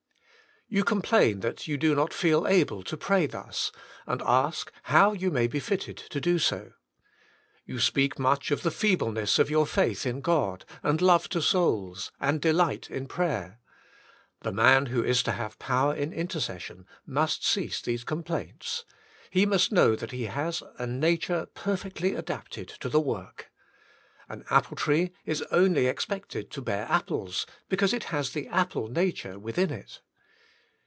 You complain that you do not feel able to pray thus, and ask how you may be fitted to do so. You speak much of the feebleness of your faith in God, and love to souls, and delight in prayer. The man who is to have power in intercession must cease these complaints — ^he must know that he has a Nature Perfectly Adapted to the Work. An apple tree is only expected to bear apples, because it has the apple nature within it.